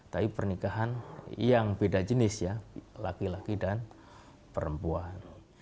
tapi pernikahan yang beda jenis ya laki laki dan perempuan